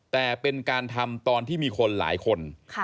แต่เป็นการทำตอนที่มีคนหลายคน